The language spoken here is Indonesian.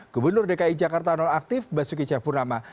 gubernur dki jakarta non aktif basuki cahapurnama